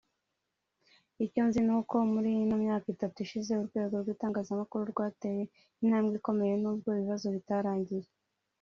Icyo nzi ni uko muri ino myaka itatu ishize urwego rw’itangazamakuru rwateye intambwe ikomeye nubwo ibibazo bitarangiye